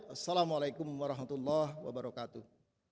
assalamu alaikum warahmatullahi wabarakatuh